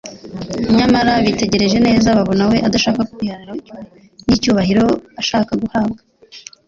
Nyamara bitegereje neza babona we adashaka kwikururiraho abantu, nta n'icyubahiro ashaka guhabwa.